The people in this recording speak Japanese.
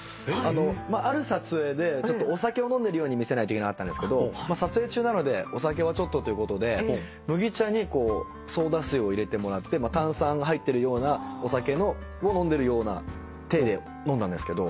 ある撮影でちょっとお酒を飲んでるように見せないといけなかったんですけど撮影中なのでお酒はちょっとっていうことで麦茶にこうソーダ水を入れてもらって炭酸が入ってるようなお酒を飲んでるような体で飲んだんですけどすごくまずくて。